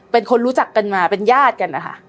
เป็นคนรู้จักกันมาเป็นญาติกันนะคะ